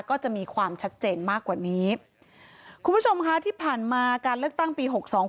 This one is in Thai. ก็จะมีความชัดเจนมากกว่านี้คุณผู้ชมค่ะที่ผ่านมาการเลือกตั้งปีหกสอง